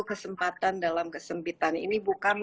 kesempatan dalam kesempitan ini bukan